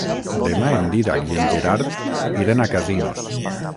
Demà en Dídac i en Gerard iran a Casinos.